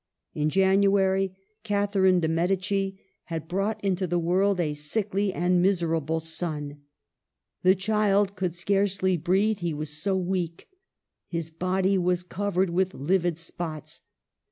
In Janu ary, Catherine dei Medici had brought into the world a sickly and miserable son. The child could scarcely breathe, he was so weak. His body was covered with livid spots.